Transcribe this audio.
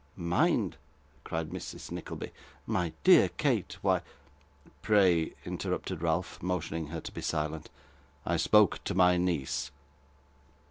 'Mind!' cried Mrs. Nickleby. 'My dear Kate, why ' 'Pray,' interrupted Ralph, motioning her to be silent. 'I spoke to my niece.